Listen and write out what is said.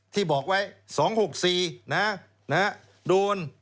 ที่บอกไว้๒๖๔นะฮะโดน